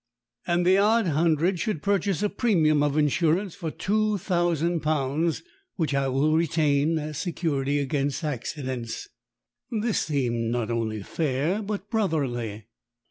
and the odd hundred should purchase a premium of insurance for two thousand pounds, which I will retain as security against accidents." This seemed not only fair but brotherly.